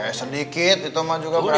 iya teh sedikit itu mah juga brother mah